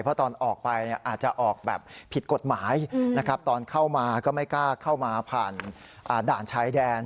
เพราะตอนออกไปอาจจะออกแบบผิดกฎหมายนะครับตอนเข้ามาก็ไม่กล้าเข้ามาผ่านด่านชายแดน